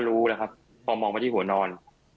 ก็รู้แล้วครับมองมาที่หัวนอน